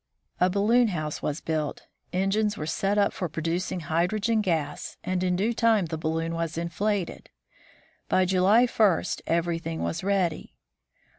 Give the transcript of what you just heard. A balloon house was built, engines were set up for producing hydrogen gas, and in due time the balloon was inflated. By July 1 everything was ready.